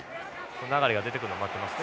流が出てくるのを待ってますね